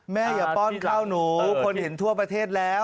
อย่าป้อนข้าวหนูคนเห็นทั่วประเทศแล้ว